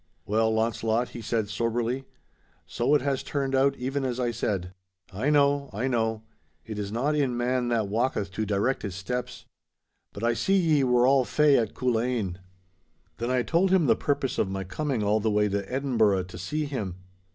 'Well, Launcelot,' he said soberly, 'so it has turned out even as I said. I know—I know. It is not in man that walketh to direct his steps. But I saw ye were all "fey" at Culzean.' Then I told him the purpose of my coming all the way to Edinburgh to see him.